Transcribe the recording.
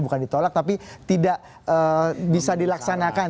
bukan ditolak tapi tidak bisa dilaksanakan